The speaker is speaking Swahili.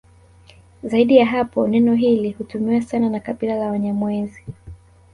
Zaidi ya hapo neno hili hutumiwa sana na kabila la Wanyamwezi